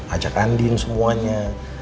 ajak andieng semuanya